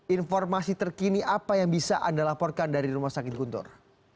informasi terkini apa yang bisa anda laporkan dari rumah sakit guntur